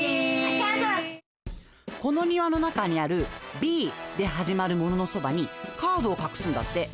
このにわの中にあるＢではじまるもののそばにカードをかくすんだって。